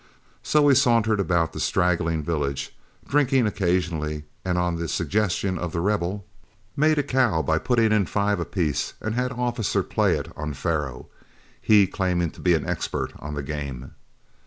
So we sauntered about the straggling village, drinking occasionally, and on the suggestion of The Rebel, made a cow by putting in five apiece and had Officer play it on faro, he claiming to be an expert on the game.